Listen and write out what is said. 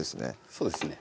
そうですね